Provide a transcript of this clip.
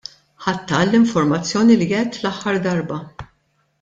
Ħadtha għall-informazzjoni li għedt l-aħħar darba.